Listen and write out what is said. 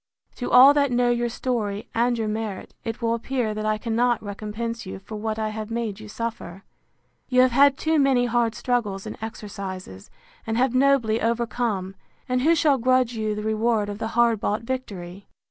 To all that know your story, and your merit, it will appear that I cannot recompense you for what I have made you suffer. You have had too many hard struggles and exercises; and have nobly overcome: and who shall grudge you the reward of the hard bought victory?